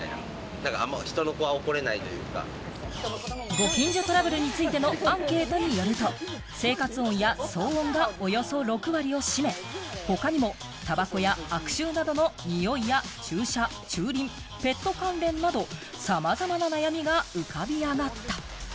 ご近所トラブルについてのアンケートによると、生活音や騒音がおよそ６割を占め、他にもタバコや悪臭などの臭いや、駐車・駐輪、ペット関連など、さまざまな悩みが浮かび上がった。